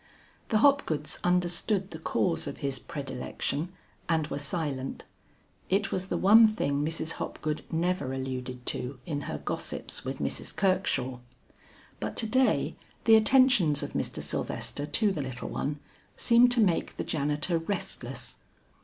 The Hopgoods understood the cause of his predilection and were silent. It was the one thing Mrs. Hopgood never alluded to in her gossips with Mrs. Kirkshaw. But to day the attentions of Mr. Sylvester to the little one seemed to make the janitor restless.